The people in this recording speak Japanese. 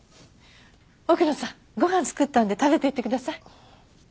奥野さんご飯作ったんで食べていってください。